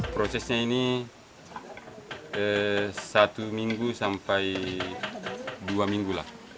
prosesnya ini satu minggu sampai dua minggu lah